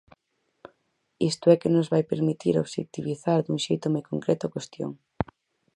Isto é que nos vai permitir obxectivizar dun xeito moi concreto a cuestión.